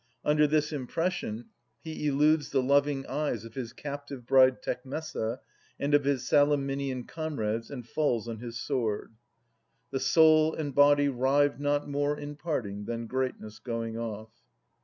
Under this impression he eludes the loving eyes of his captive bride Tecmessa, and of his Salaminian comrades, and falls on his sword. (' The soul and body rive not more in parting Than greatness going ofi".')